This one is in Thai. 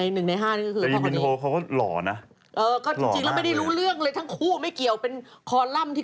หนึ่งในห้านั้นก็คือพ่อคนนี้